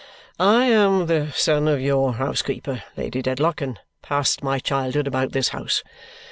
"I am the son of your housekeeper, Lady Dedlock, and passed my childhood about this house.